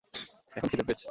এখন খিদে পেয়েছে।